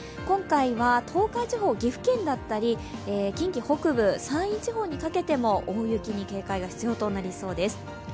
今回は東海地方、岐阜県だったり近畿北部、山陰地方にかけても大雪に警戒が必要となりそうです。